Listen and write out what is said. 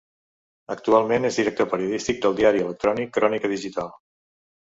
Actualment és director periodístic del diari electrònic Crònica Digital.